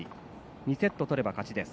２セット取れば勝ちです。